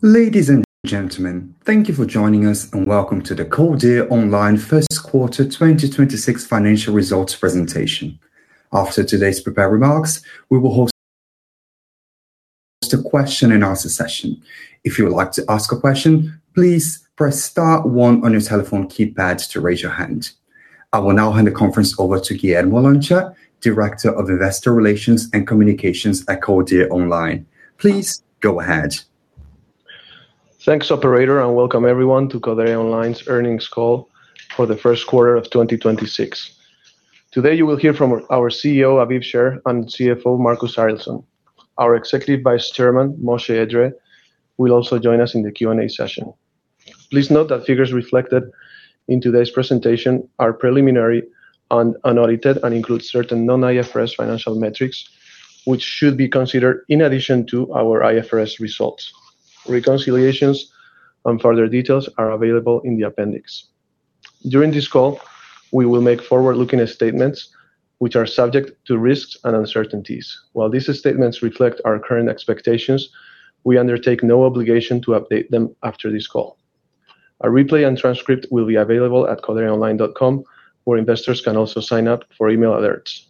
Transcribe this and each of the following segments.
Ladies and gentlemen, thank you for joining us, and welcome to the Codere Online 1st quarter 2026 financial results presentation. After today's prepared remarks, we will host a question and answer session. If you would like to ask a question, please press star one on your telephone keypad to raise your hand. I will now hand the conference over to Guillermo Lancha, Director of Investor Relations and Communications at Codere Online. Please go ahead. Thanks, operator, and welcome everyone to Codere Online's earnings call for the first quarter of 2026. Today, you will hear from our CEO, Aviv Sher, and CFO, Marcus Arildsson. Our Executive Vice Chairman, Moshe Edree, will also join us in the Q&A session. Please note that figures reflected in today's presentation are preliminary and unaudited and include certain non-IFRS financial metrics, which should be considered in addition to our IFRS results. Reconciliations and further details are available in the appendix. During this call, we will make forward-looking statements which are subject to risks and uncertainties. While these statements reflect our current expectations, we undertake no obligation to update them after this call. A replay and transcript will be available at codereonline.com, where investors can also sign up for email alerts.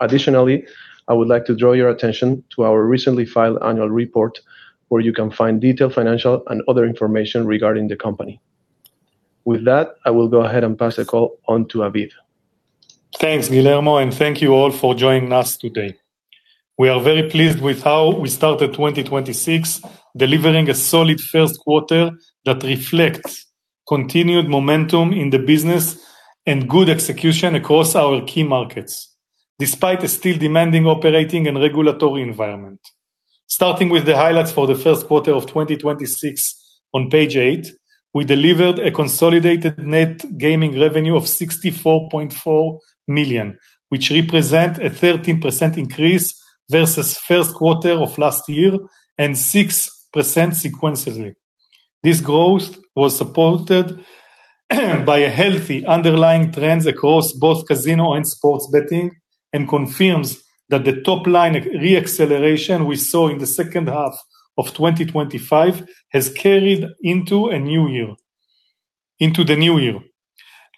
Additionally, I would like to draw your attention to our recently filed annual report, where you can find detailed financial and other information regarding the company. With that, I will go ahead and pass the call on to Aviv. Thanks, Guillermo, and thank you all for joining us today. We are very pleased with how we started 2026, delivering a solid first quarter that reflects continued momentum in the business and good execution across our key markets, despite a still demanding operating and regulatory environment. Starting with the highlights for the first quarter of 2026 on page eight, we delivered a consolidated net gaming revenue of 64.4 million, which represent a 13% increase versus first quarter of last year and 6% sequentially. This growth was supported by a healthy underlying trends across both casino and sports betting, and confirms that the top line re-acceleration we saw in the second half of 2025 has carried into the new year.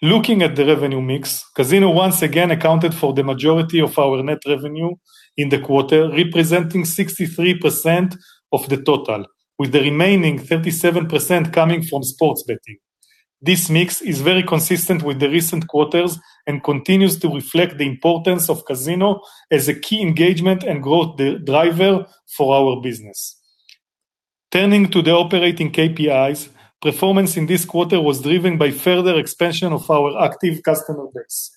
Looking at the revenue mix, casino once again accounted for the majority of our net revenue in the quarter, representing 63% of the total, with the remaining 37% coming from sports betting. This mix is very consistent with the recent quarters and continues to reflect the importance of casino as a key engagement and growth driver for our business. Turning to the operating KPIs, performance in this quarter was driven by further expansion of our active customer base.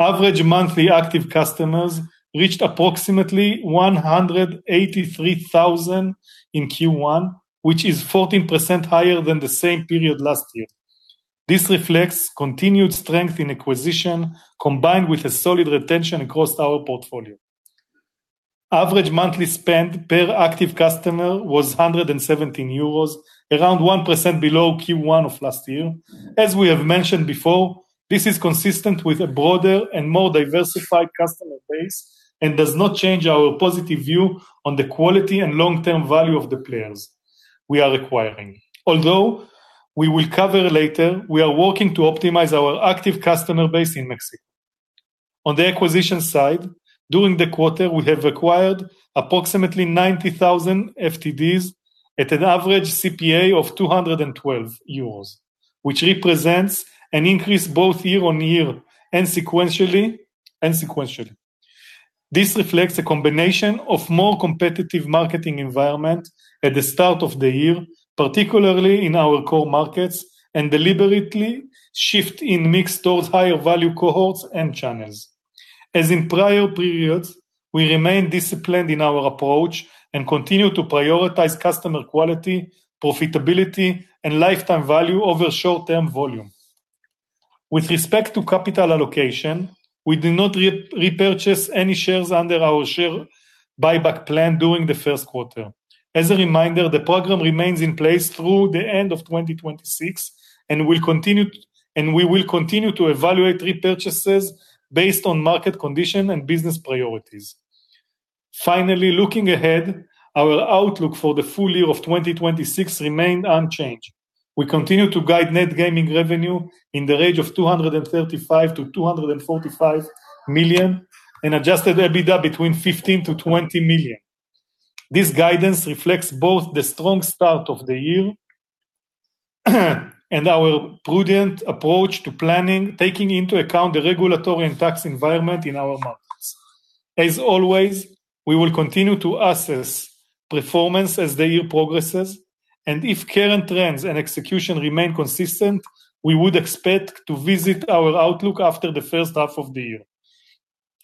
Average monthly active customers reached approximately 183,000 in Q1, which is 14% higher than the same period last year. This reflects continued strength in acquisition, combined with a solid retention across our portfolio. Average monthly spend per active customer was 117 euros, around 1% below Q1 of last year. As we have mentioned before, this is consistent with a broader and more diversified customer base and does not change our positive view on the quality and long-term value of the players we are acquiring. Although we will cover later, we are working to optimize our active customer base in Mexico. On the acquisition side, during the quarter, we have acquired approximately 90,000 FTDs at an average CPA of 212 euros, which represents an increase both year-over-year and sequentially. This reflects a combination of more competitive marketing environment at the start of the year, particularly in our core markets, and deliberate shift in mix towards higher value cohorts and channels. As in prior periods, we remain disciplined in our approach and continue to prioritize customer quality, profitability, and lifetime value over short-term volume. With respect to capital allocation, we did not re-repurchase any shares under our share buyback plan during the first quarter. As a reminder, the program remains in place through the end of 2026, and we will continue to evaluate repurchases based on market condition and business priorities. Finally, looking ahead, our outlook for the full year of 2026 remain unchanged. We continue to guide Net Gaming Revenue in the range of 235 million-245 million and adjusted EBITDA between 15 million-20 million. This guidance reflects both the strong start of the year, and our prudent approach to planning, taking into account the regulatory and tax environment in our markets. As always, we will continue to assess performance as the year progresses, and if current trends and execution remain consistent, we would expect to visit our outlook after the first half of the year.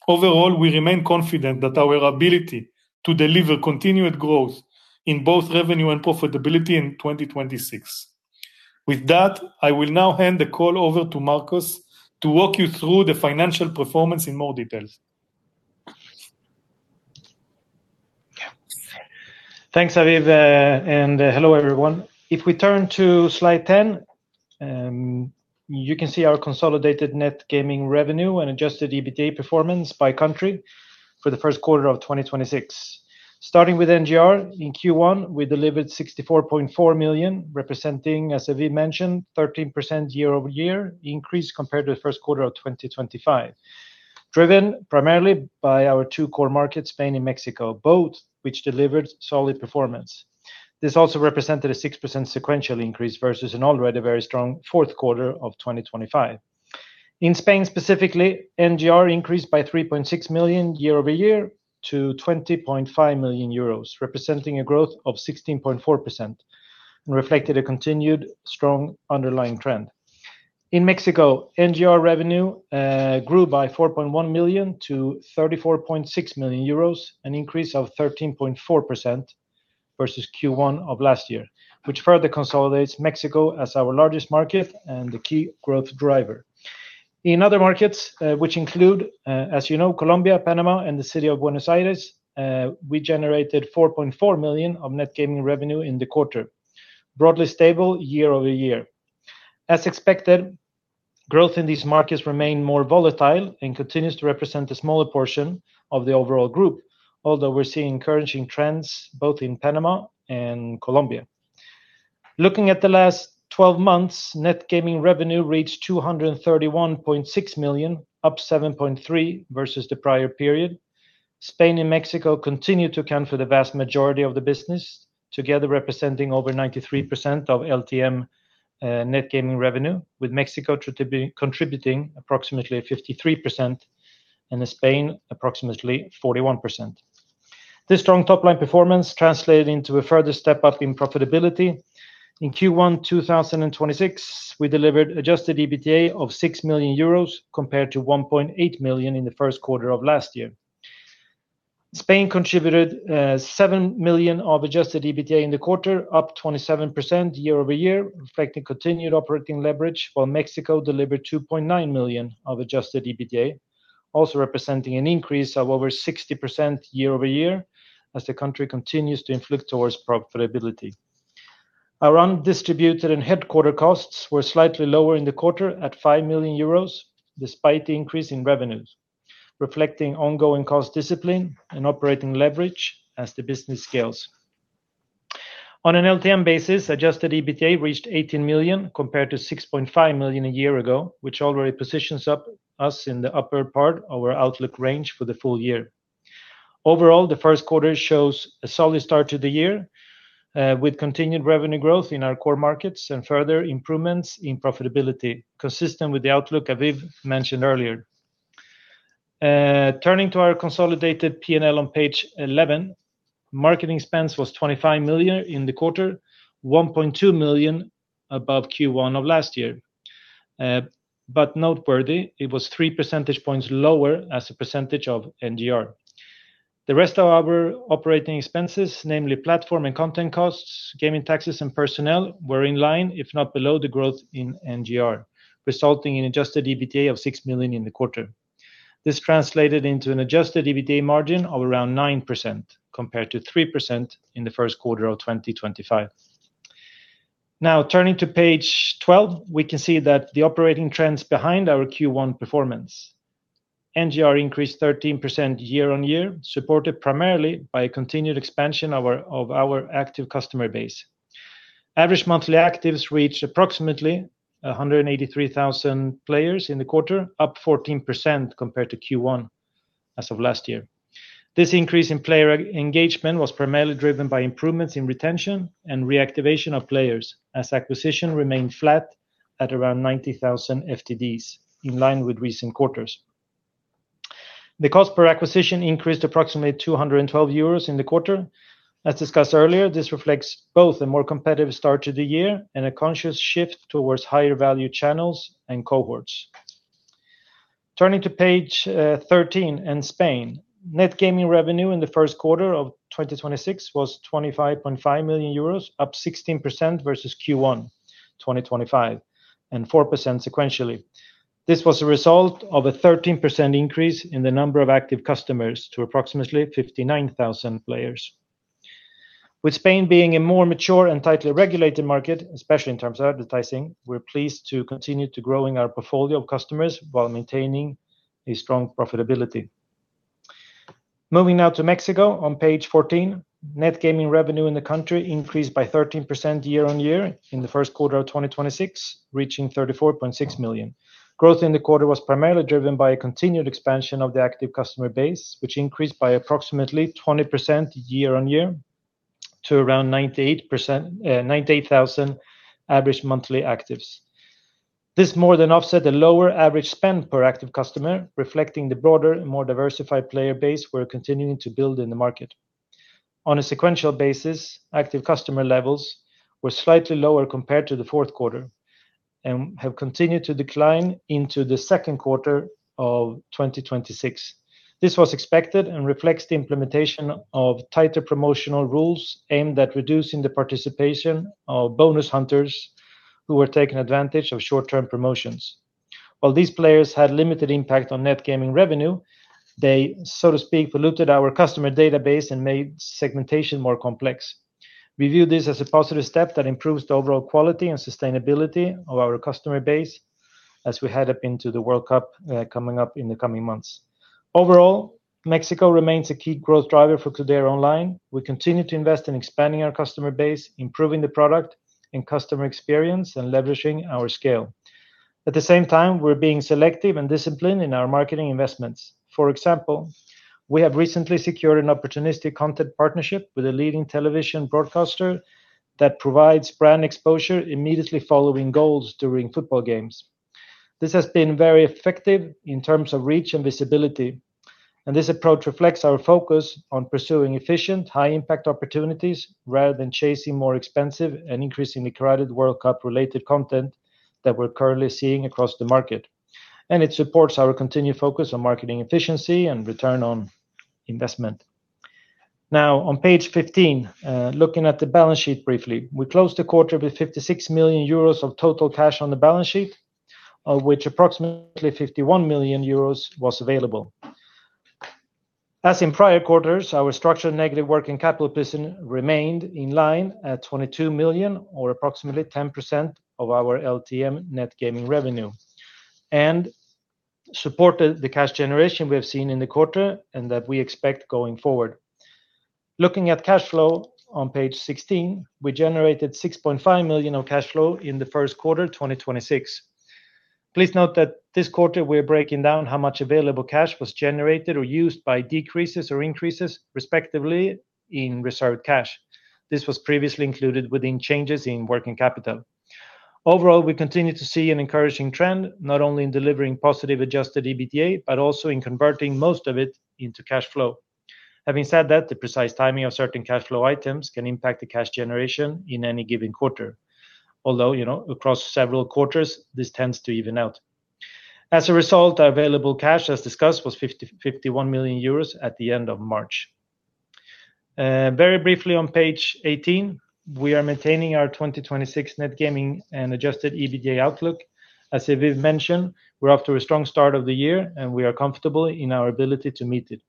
Overall, we remain confident that our ability to deliver continued growth in both revenue and profitability in 2026. With that, I will now hand the call over to Marcus to walk you through the financial performance in more details. Thanks, Aviv. Hello, everyone. If we turn to slide 10. You can see our consolidated net gaming revenue and adjusted EBITDA performance by country for the first quarter of 2026. Starting with NGR, in Q1, we delivered 64.4 million, representing, as Aviv mentioned, 13% year-over-year increase compared to the first quarter of 2025, driven primarily by our two core markets, Spain and Mexico, both which delivered solid performance. This also represented a 6% sequential increase versus an already very strong fourth quarter of 2025. In Spain specifically, NGR increased by 3.6 million year-over-year to 20.5 million euros, representing a growth of 16.4% and reflected a continued strong underlying trend. In Mexico, NGR revenue grew by 4.1 million to 34.6 million euros, an increase of 13.4% versus Q1 of last year, which further consolidates Mexico as our largest market and the key growth driver. In other markets, which include, as you know, Colombia, Panama, and the city of Buenos Aires, we generated 4.4 million of Net Gaming Revenue in the quarter, broadly stable year-over-year. As expected, growth in these markets remain more volatile and continues to represent a smaller portion of the overall group, although we're seeing encouraging trends both in Panama and Colombia. Looking at the last 12 months, Net Gaming Revenue reached 231.6 million, up 7.3% versus the prior period. Spain and Mexico continue to account for the vast majority of the business, together representing over 93% of LTM net gaming revenue, with Mexico contributing approximately 53% and Spain approximately 41%. This strong top-line performance translated into a further step-up in profitability. In Q1 2026, we delivered adjusted EBITDA of 6 million euros compared to 1.8 million in the first quarter of last year. Spain contributed 7 million of adjusted EBITDA in the quarter, up 27% year-over-year, reflecting continued operating leverage, while Mexico delivered 2.9 million of adjusted EBITDA, also representing an increase of over 60% year-over-year as the country continues to inflict towards profitability. Our undistributed and headquarter costs were slightly lower in the quarter at 5 million euros, despite the increase in revenues, reflecting ongoing cost discipline and operating leverage as the business scales. On an LTM basis, adjusted EBITDA reached 18 million compared to 6.5 million a year ago, which already positions us in the upper part of our outlook range for the full year. Overall, the first quarter shows a solid start to the year, with continued revenue growth in our core markets and further improvements in profitability, consistent with the outlook Aviv mentioned earlier. Turning to our consolidated P&L on page 11, marketing spends was 25 million in the quarter, 1.2 million above Q1 of last year. Noteworthy, it was 3 percentage points lower as a percentage of NGR. The rest of our operating expenses, namely platform and content costs, gaming taxes, and personnel, were in line, if not below the growth in NGR, resulting in adjusted EBITDA of 6 million in the quarter. This translated into an adjusted EBITDA margin of around 9% compared to 3% in the first quarter of 2025. Turning to page 12, we can see that the operating trends behind our Q1 performance. NGR increased 13% year-on-year, supported primarily by a continued expansion of our active customer base. Average monthly actives reached approximately 183,000 players in the quarter, up 14% compared to Q1 as of last year. This increase in player engagement was primarily driven by improvements in retention and reactivation of players as acquisition remained flat at around 90,000 FTDs, in line with recent quarters. The cost per acquisition increased approximately 212 euros in the quarter. As discussed earlier, this reflects both a more competitive start to the year and a conscious shift towards higher-value channels and cohorts. Turning to page 13 and Spain. Net gaming revenue in the first quarter of 2026 was 25.5 million euros, up 16% versus Q1 2025 and 4% sequentially. This was a result of a 13% increase in the number of active customers to approximately 59,000 players. With Spain being a more mature and tightly regulated market, especially in terms of advertising, we're pleased to continue to growing our portfolio of customers while maintaining a strong profitability. Moving now to Mexico on page 14. Net gaming revenue in the country increased by 13% year-on-year in the first quarter of 2026, reaching 34.6 million. Growth in the quarter was primarily driven by a continued expansion of the active customer base, which increased by approximately 20% year-on-year to around 98,000 average monthly actives. This more than offset the lower average spend per active customer, reflecting the broader and more diversified player base we're continuing to build in the market. On a sequential basis, active customer levels were slightly lower compared to the fourth quarter and have continued to decline into the second quarter of 2026. This was expected and reflects the implementation of tighter promotional rules aimed at reducing the participation of bonus hunters who were taking advantage of short-term promotions. While these players had limited impact on Net Gaming Revenue, they, so to speak, polluted our customer database and made segmentation more complex. We view this as a positive step that improves the overall quality and sustainability of our customer base as we head up into the World Cup coming up in the coming months. Overall, Mexico remains a key growth driver for Codere Online. We continue to invest in expanding our customer base, improving the product and customer experience, and leveraging our scale. At the same time, we're being selective and disciplined in our marketing investments. For example, we have recently secured an opportunistic content partnership with a leading television broadcaster that provides brand exposure immediately following goals during football games. This has been very effective in terms of reach and visibility, and this approach reflects our focus on pursuing efficient, high-impact opportunities rather than chasing more expensive and increasingly crowded World Cup-related content that we're currently seeing across the market. It supports our continued focus on marketing efficiency and ROI. Now, on page 15, looking at the balance sheet briefly. We closed the quarter with 56 million euros of total cash on the balance sheet, of which approximately 51 million euros was available. As in prior quarters, our structured negative working capital position remained in line at 22 million or approximately 10% of our LTM NGR, and supported the cash generation we have seen in the quarter and that we expect going forward. Looking at cash flow on page 16, we generated 6.5 million of cash flow in the first quarter 2026. Please note that this quarter we're breaking down how much available cash was generated or used by decreases or increases, respectively, in reserved cash. This was previously included within changes in working capital. Overall, we continue to see an encouraging trend, not only in delivering positive adjusted EBITDA, but also in converting most of it into cash flow. Having said that, the precise timing of certain cash flow items can impact the cash generation in any given quarter. Although, you know, across several quarters, this tends to even out. As a result, our available cash, as discussed, was 51 million euros at the end of March. Very briefly on page 18, we are maintaining our 2026 net gaming and adjusted EBITDA outlook. As Aviv mentioned, we're off to a strong start of the year, and we are comfortable in our ability to meet it.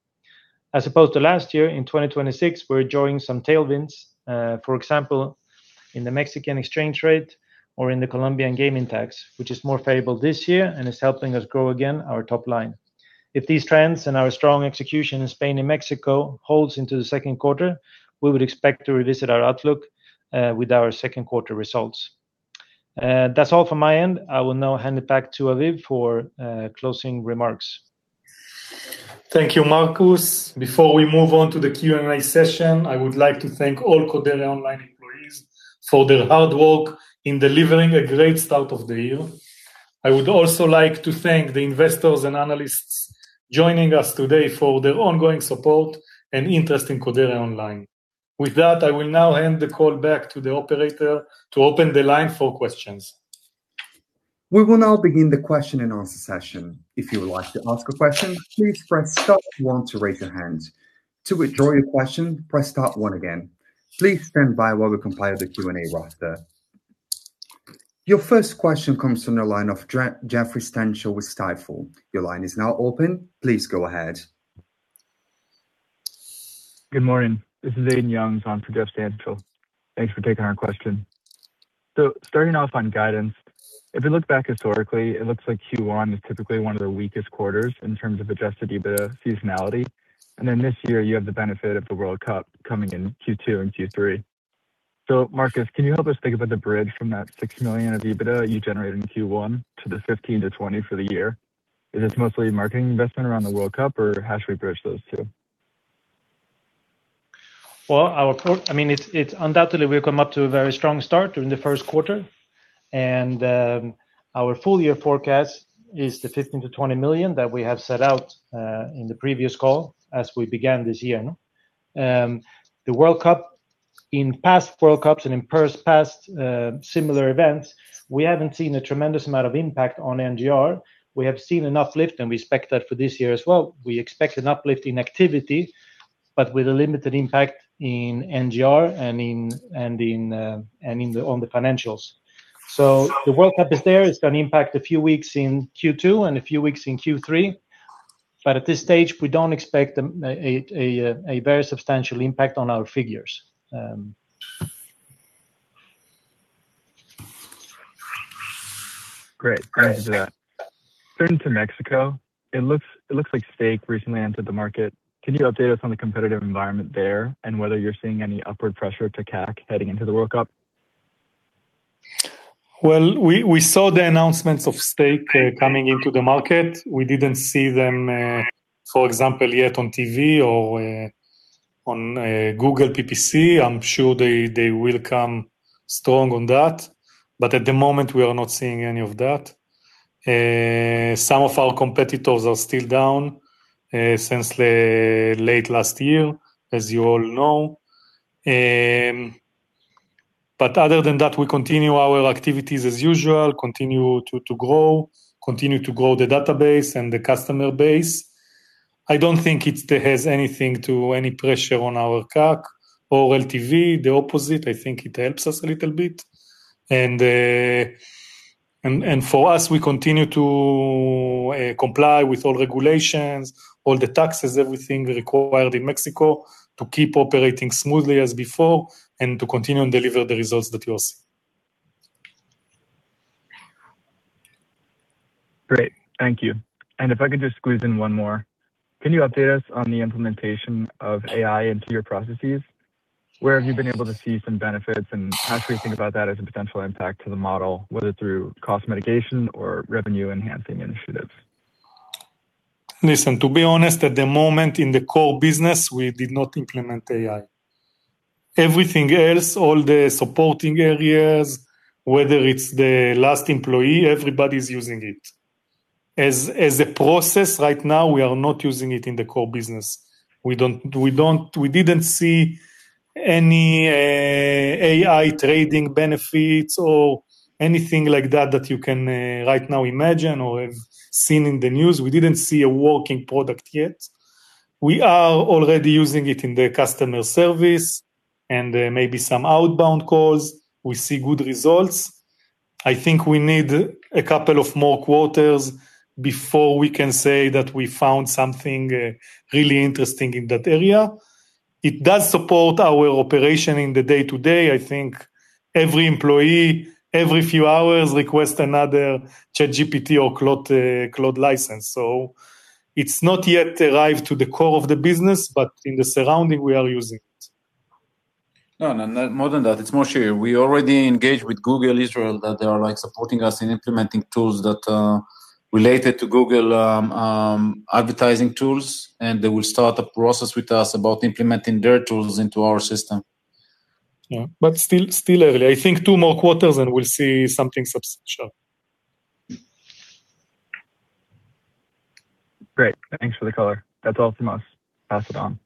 As opposed to last year, in 2026, we're enjoying some tailwinds, for example, in the Mexican exchange rate or in the Colombian gaming tax, which is more favorable this year and is helping us grow again our top line. If these trends and our strong execution in Spain and Mexico holds into the second quarter, we would expect to revisit our outlook with our second quarter results. That's all from my end. I will now hand it back to Aviv for closing remarks. Thank you, Marcus. Before we move on to the Q&A session, I would like to thank all Codere Online employees for their hard work in delivering a great start of the year. I would also like to thank the investors and analysts joining us today for their ongoing support and interest in Codere Online. With that, I will now hand the call back to the operator to open the line for questions. We will now begin the question and answer session. If you would like to ask a question, please press star one to raise your hand. To withdraw your question, press star one again. Please stand by while we compile the Q&A roster. Your first question comes from the line of Jeffrey Stantial with Stifel. Your line is now open. Please go ahead. Good morning. This is Aidan Youngs on for Jeff Stantial. Thanks for taking our question. Starting off on guidance, if you look back historically, it looks like Q1 is typically one of the weakest quarters in terms of adjusted EBITDA seasonality, and then this year you have the benefit of the World Cup coming in Q2 and Q3. Marcus Arildsson, can you help us think about the bridge from that 6 million of EBITDA you generated in Q1 to the 15 million-20 million for the year? Is this mostly marketing investment around the World Cup, or how should we bridge those two? Well, it's undoubtedly we've come up to a very strong start during the 1st quarter, and our full year forecast is the 15 million-20 million that we have set out in the previous call as we began this year, no? In past World Cups and in past similar events, we haven't seen a tremendous amount of impact on NGR. We have seen an uplift, and we expect that for this year as well. We expect an uplift in activity, with a limited impact in NGR and on the financials. The World Cup is there. It's gonna impact a few weeks in Q2 and a few weeks in Q3, at this stage, we don't expect a very substantial impact on our figures. Um Great. Thanks for that. Turning to Mexico, it looks like Stake.com recently entered the market. Can you update us on the competitive environment there and whether you're seeing any upward pressure to CAC heading into the World Cup? Well, we saw the announcements of Stake.com coming into the market. We didn't see them, for example, yet on TV or on Google PPC. I'm sure they will come strong on that, at the moment, we are not seeing any of that. Some of our competitors are still down since late last year, as you all know. Other than that, we continue our activities as usual, continue to grow, continue to grow the database and the customer base. I don't think it has anything to any pressure on our CAC or LTV. The opposite, I think it helps us a little bit. For us, we continue to comply with all regulations, all the taxes, everything required in Mexico to keep operating smoothly as before and to continue and deliver the results that you're seeing. Great. Thank you. If I could just squeeze in one more. Can you update us on the implementation of AI into your processes? Where have you been able to see some benefits, and how should we think about that as a potential impact to the model, whether through cost mitigation or revenue-enhancing initiatives? Listen, to be honest, at the moment, in the core business, we did not implement AI. Everything else, all the supporting areas, whether it's the last employee, everybody's using it. As a process right now, we are not using it in the core business. We don't, we didn't see any AI trading benefits or anything like that that you can right now imagine or have seen in the news. We didn't see a working product yet. We are already using it in the customer service and maybe some outbound calls. We see good results. I think we need two more quarters before we can say that we found something really interesting in that area. It does support our operation in the day-to-day. I think every employee every few hours requests another ChatGPT or Claude license. It's not yet arrived to the core of the business, but in the surrounding, we are using it. No, no, more than that. It's Moshe here. We already engaged with Google Israel that they are, like, supporting us in implementing tools that are related to Google, advertising tools, and they will start a process with us about implementing their tools into our system. Yeah. Still early. I think two more quarters, and we'll see something substantial. Great. Thanks for the color. That's all for us. Pass it on.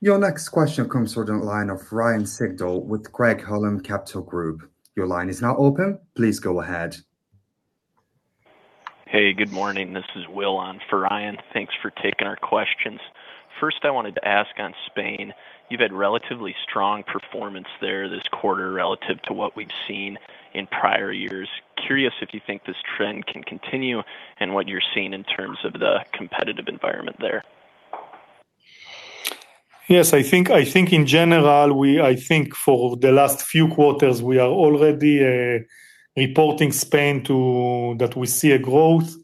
Your next question comes from the line of Ryan Sigdahl with Craig-Hallum Capital Group. Your line is now open. Please go ahead. Hey, good morning. This is Will on for Ryan. Thanks for taking our questions. First, I wanted to ask on Spain, you've had relatively strong performance there this quarter relative to what we've seen in prior years. Curious if you think this trend can continue and what you're seeing in terms of the competitive environment there. Yes. I think in general, for the last few quarters, we are already reporting Spain to that we see a growth,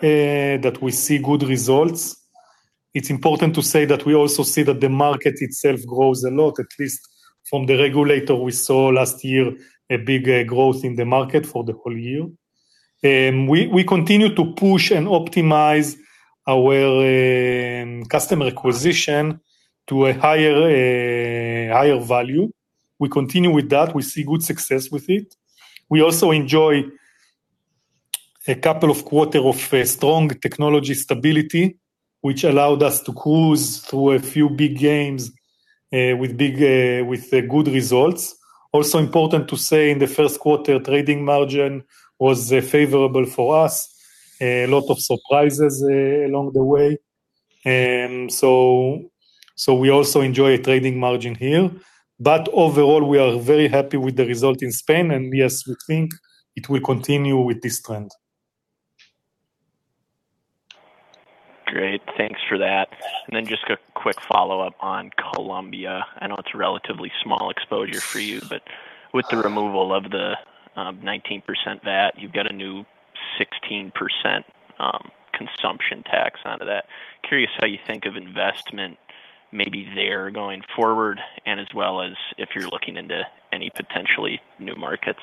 that we see good results. It's important to say that we also see that the market itself grows a lot, at least from the regulator we saw last year, a big growth in the market for the whole year. We continue to push and optimize our customer acquisition to a higher value. We continue with that. We see good success with it. We also enjoy a couple of quarter of a strong technology stability, which allowed us to cruise through a few big games, with big, with good results. Also important to say, in the first quarter, trading margin was favorable for us. A lot of surprises along the way. We also enjoy a trading margin here. Overall, we are very happy with the result in Spain, and yes, we think it will continue with this trend. Great. Thanks for that. Then just a quick follow-up on Colombia. I know it's a relatively small exposure for you, but with the removal of the 19% VAT, you've got a new 16% consumption tax out of that. Curious how you think of investment maybe there going forward and as well as if you're looking into any potentially new markets.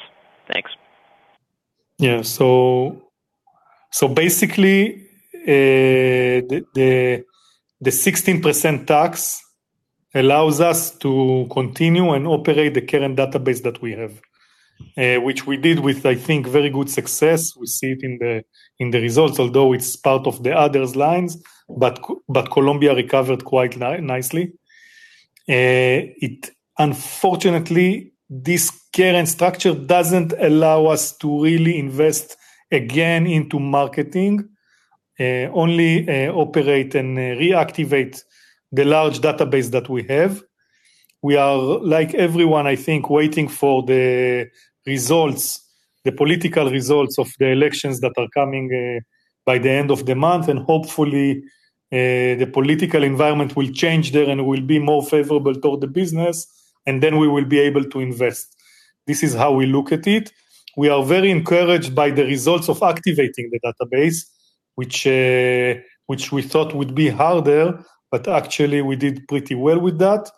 Thanks. Yeah. Basically, the 16% tax allows us to continue and operate the current database that we have, which we did with, I think, very good success. We see it in the results, although it's part of the other lines, but Colombia recovered quite nicely. Unfortunately, this current structure doesn't allow us to really invest again into marketing, only operate and reactivate the large database that we have. We are, like everyone, I think, waiting for the results, the political results of the elections that are coming by the end of the month, and hopefully, the political environment will change there and will be more favorable toward the business, and then we will be able to invest. This is how we look at it. We are very encouraged by the results of activating the database, which we thought would be harder, but actually, we did pretty well with that.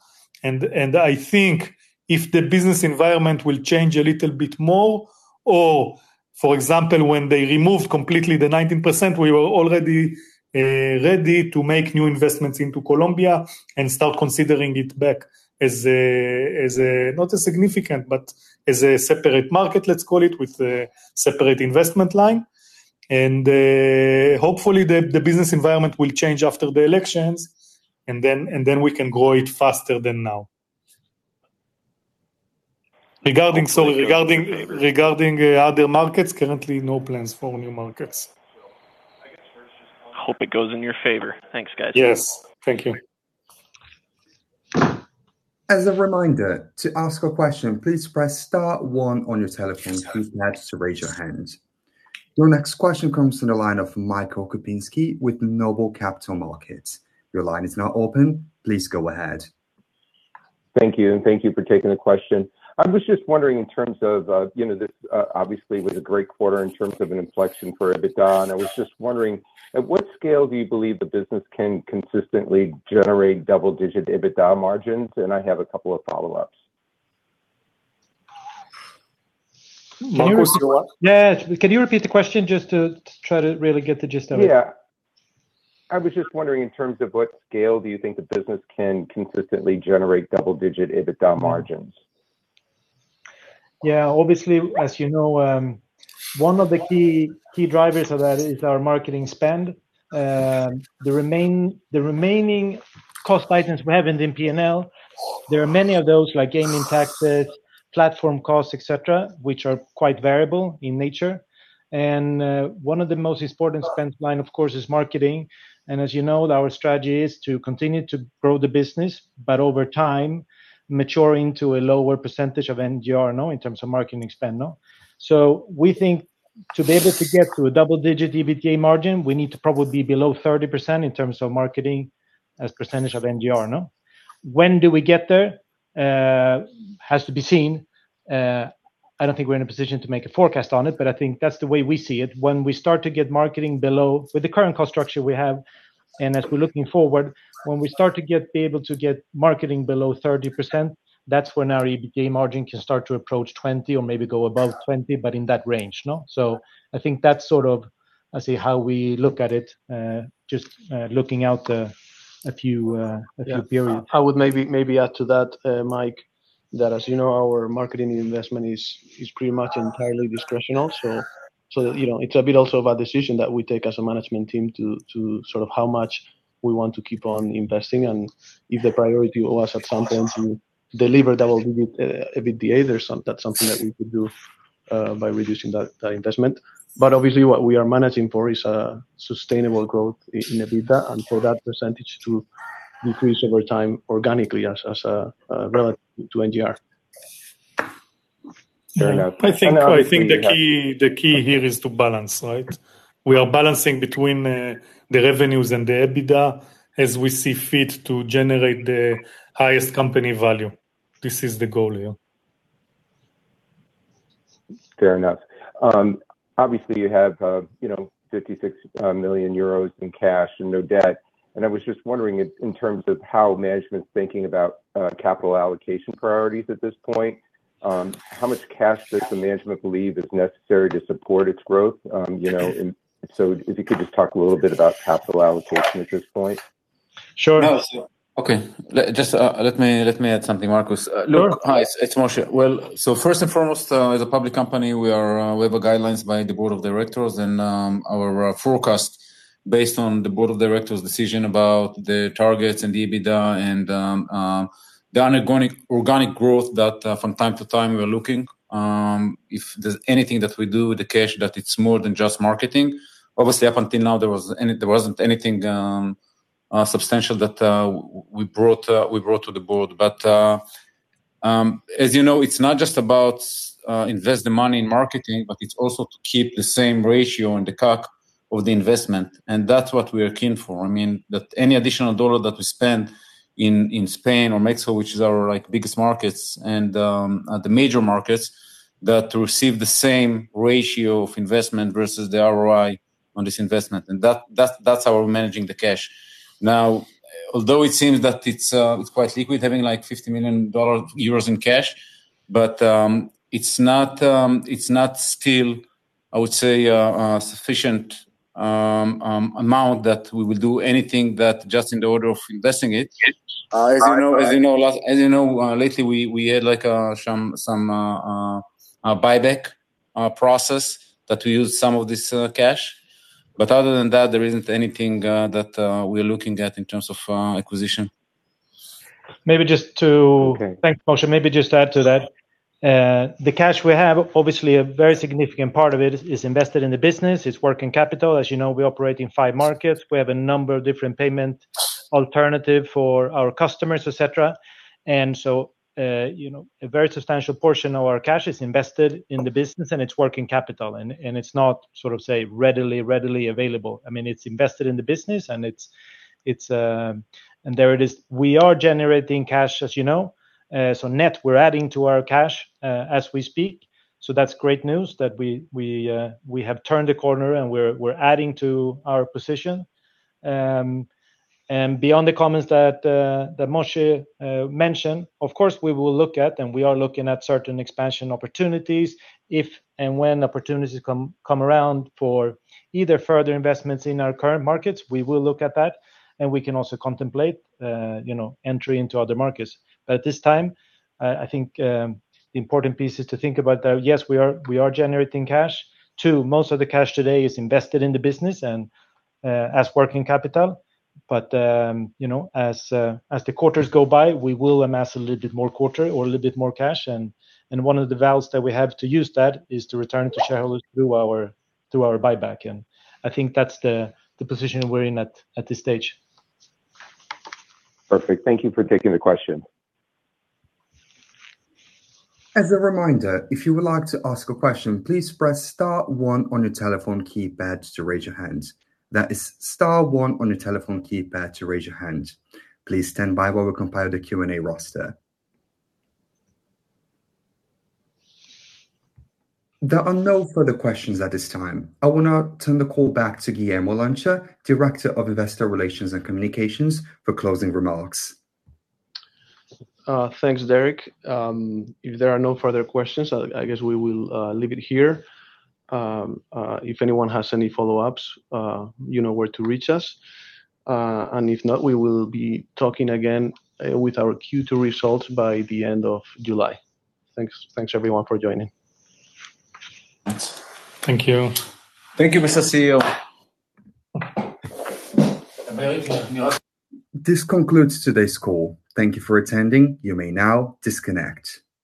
I think if the business environment will change a little bit more or, for example, when they remove completely the 19%, we were already ready to make new investments into Colombia and start considering it back, as a, not a significant, but as a separate market, let's call it, with a separate investment line. Hopefully, the business environment will change after the elections, and then, and then we can grow it faster than now. Regarding, sorry, regarding other markets, currently no plans for new markets. Hope it goes in your favor. Thanks, guys. Yes. Thank you. As a reminder, to ask a question, please press star one on your telephone keypad to raise your hand. Your next question comes from the line of Michael Kupinski with Noble Capital Markets. Your line is now open. Please go ahead. Thank you, and thank you for taking the question. I was just wondering in terms of, you know, this, obviously was a great quarter in terms of an inflection for EBITDA, and I was just wondering, at what scale do you believe the business can consistently generate double-digit EBITDA margins? I have a couple of follow-ups. Marcus. Yes. Can you repeat the question just to try to really get the gist of it? Yeah. I was just wondering in terms of what scale do you think the business can consistently generate double-digit EBITDA margins? Yeah. Obviously, as you know, one of the key drivers of that is our marketing spend. The remaining cost items we have in the P&L, there are many of those, like gaming taxes, platform costs, et cetera, which are quite variable in nature. One of the most important spend line, of course, is marketing. As you know, our strategy is to continue to grow the business, but over time mature into a lower percentage of NGR, no? In terms of marketing spend, no? We think to be able to get to a double-digit EBITDA margin, we need to probably be below 30% in terms of marketing as percentage of NGR, no? When do we get there? Has to be seen. I don't think we're in a position to make a forecast on it, but I think that's the way we see it. When we start to get marketing below with the current cost structure we have, and as we're looking forward, when we start to be able to get marketing below 30%, that's when our EBITDA margin can start to approach 20 or maybe go above 20, but in that range, no. I think that's sort of, let's say, how we look at it, just looking out a few, a few periods. Yeah. I would maybe add to that, Mike, that as you know, our marketing investment is pretty much entirely discretional. So, you know, it's a bit also of a decision that we take as a management team to sort of how much we want to keep on investing. If the priority for us at some point to deliver double-digit EBITDA, that's something that we could do by reducing that investment. Obviously, what we are managing for is sustainable growth in EBITDA, and for that percentage to decrease over time organically as relative to NGR. Fair enough. I think the key here is to balance, right? We are balancing between the revenues and the EBITDA as we see fit to generate the highest company value. This is the goal here. Fair enough. Obviously, you have, you know, 56 million euros in cash and no debt, and I was just wondering in terms of how management's thinking about capital allocation priorities at this point. How much cash does the management believe is necessary to support its growth? You know, if you could just talk a little bit about capital allocation at this point. Sure. Okay. Let me add something, Marcus. Sure. Hi, it's Moshe. First and foremost, as a public company, we are, we have guidelines by the board of directors and our forecast based on the board of directors' decision about the targets and the EBITDA and the organic growth that from time to time we are looking. If there's anything that we do with the cash that it's more than just marketing. Obviously, up until now, there wasn't anything substantial that we brought to the board. As you know, it's not just about invest the money in marketing, but it's also to keep the same ratio and the CAC of the investment, and that's what we are keen for. I mean, that any additional dollar that we spend in Spain or Mexico, which is our, like, biggest markets and the major markets, that receive the same ratio of investment versus the ROI on this investment. That's how we're managing the cash. Although it seems that it's quite liquid, having, like, EUR 50 million in cash, but it's not still, I would say, sufficient amount that we would do anything that just in the order of investing it. As you know, lately we had, like, some a buyback process that we used some of this cash. Other than that, there isn't anything that we're looking at in terms of acquisition. Maybe just to- Okay. Thanks, Moshe. Maybe just to add to that. The cash we have, obviously a very significant part of it is invested in the business. It's working capital. As you know, we operate in five markets. We have a number of different payment alternative for our customers, et cetera. You know, a very substantial portion of our cash is invested in the business, and it's working capital, and it's not sort of, say, readily available. I mean, it's invested in the business, and it's, and there it is. We are generating cash, as you know. Net, we're adding to our cash as we speak. That's great news that we have turned the corner, and we're adding to our position. Beyond the comments that Moshe mentioned, of course, we will look at, and we are looking at certain expansion opportunities. If and when opportunities come around for either further investments in our current markets, we will look at that, and we can also contemplate, you know, entry into other markets. At this time, I think the important piece is to think about that, yes, we are generating cash. Two, most of the cash today is invested in the business and as working capital. You know, as the quarters go by, we will amass a little bit more cash. One of the levers that we have to use that is to return to shareholders through our buyback. I think that's the position we're in at this stage. Perfect. Thank you for taking the question. As a reminder, if you would like to ask a question, please press star one on your telephone keypad to raise your hand. That is star one on your telephone keypad to raise your hand. Please stand by while we compile the Q&A roster. There are no further questions at this time. I will now turn the call back to Guillermo Lancha, Director of Investor Relations and Communications, for closing remarks. Thanks, Derek. If there are no further questions, I guess we will leave it here. If anyone has any follow-ups, you know where to reach us. If not, we will be talking again with our Q2 results by the end of July. Thanks. Thanks everyone for joining. Thanks. Thank you. Thank you, Mr. CEO. This concludes today's call. Thank you for attending. You may now disconnect.